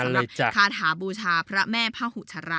สำหรับคาถบูชาพระแม่ภาหุฆระ